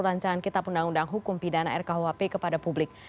rancangan kita pundang undang hukum pidana rkuhp kepada publik